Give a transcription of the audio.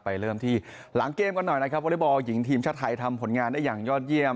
เริ่มที่หลังเกมกันหน่อยนะครับวอเล็กบอลหญิงทีมชาติไทยทำผลงานได้อย่างยอดเยี่ยม